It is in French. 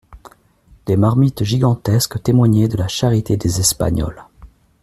Des marmites gigantesques témoignaient de la charité des Espagnols.